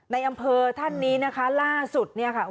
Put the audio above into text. ในอำเภอท่านนี้นะคะล่าสุดเนี่ยค่ะ